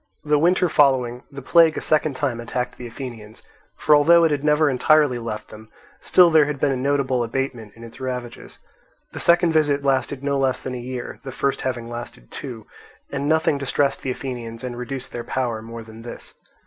The winter following, the plague a second time attacked the Athenians; for although it had never entirely left them, still there had been a notable abatement in its ravages. The second visit lasted no less than a year, the first having lasted two; and nothing distressed the Athenians and reduced their power more than this.